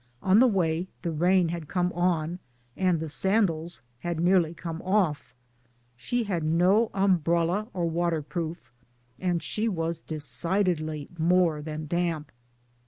On the way the rain had come on, and the sandals had nearly come off. She had no umbrella or waterproof ; and she was decidedly more than damp.